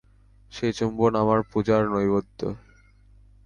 সেই চুম্বন আমার পূজার নৈবেদ্য।